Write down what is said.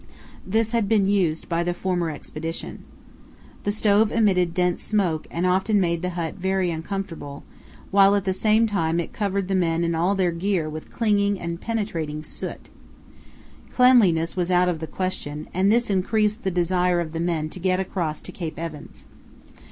This had been used by the former Expedition. The stove emitted dense smoke and often made the hut very uncomfortable, while at the same time it covered the men and all their gear with clinging and penetrating soot. Cleanliness was out of the question, and this increased the desire of the men to get across to Cape Evans.